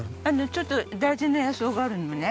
ちょっと大事な野草があるのね？